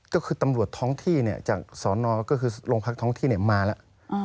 ก็คือตำรวจท้องที่เนี่ยจากศนก็คือโรงพักท้องที่เนี่ยมาแล้ว